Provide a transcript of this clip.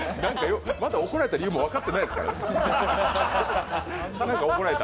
まだ怒られた理由も分かってないですからね。